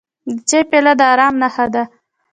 د چای پیاله د ارام نښه ده.